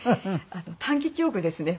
短期記憶ですね。